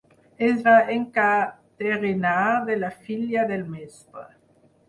Es va encaterinar de la filla del mestre.